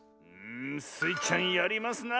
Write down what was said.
スイちゃんやりますな。